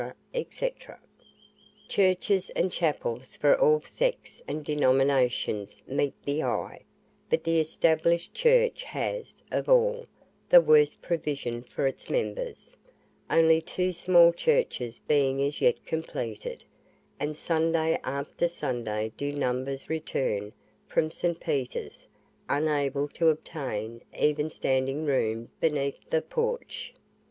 &c. Churches and chapels for all sects and denominations meet the eye; but the Established Church has, of all, the worst provision for its members, only two small churches being as yet completed; and Sunday after Sunday do numbers return from St. Peter's, unable to obtain even standing room beneath the porch.